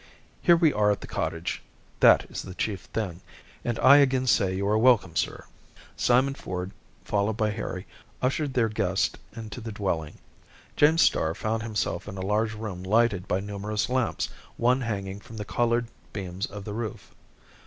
Here we are at the cottage. That is the chief thing, and I again say you are welcome, sir." Simon Ford, followed by Harry, ushered their guest into the dwelling. James Starr found himself in a large room lighted by numerous lamps, one hanging from the colored beams of the roof.